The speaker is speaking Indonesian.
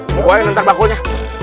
mau bawain ntar bakulnya